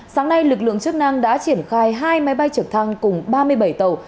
sáng nay lực lượng chức năng đã triển khai hai máy bay trực thăng cùng ba mươi bảy tàu